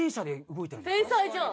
天才じゃん。